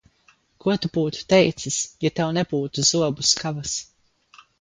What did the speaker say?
Ko tu būtu teicis, ja tev nebūtu zobu skavas?